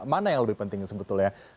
mana yang lebih penting sebetulnya